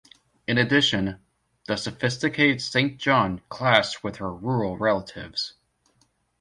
In addition, the sophisticated Saint John clashed with her rural relatives.